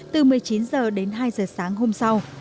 từ một mươi chín h đến hai h sáng hôm sau